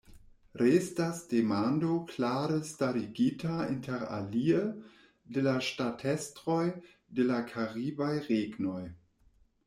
Restas demando klare starigita, interalie, de la ŝtatestroj de la karibaj regnoj.